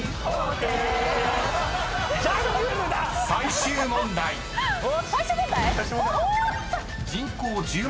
最終問題⁉お！